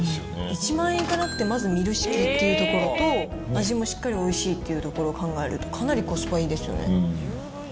１万円いかなくてまずミル式というところと、味もしっかりおいしいっていうところを考えると、かなりコスパいいですよね。